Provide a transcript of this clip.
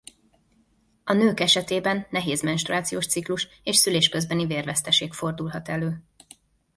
A nők esetében nehéz menstruációs ciklus és szülés közbeni vérveszteség fordulhat elő.